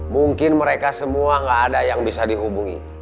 mungkin mereka semua nggak ada yang bisa dihubungi